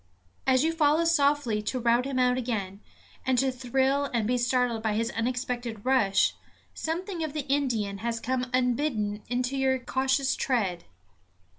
As you follow softly to rout him out again, and to thrill and be startled by his unexpected rush, something of the Indian has come unbidden into your cautious tread.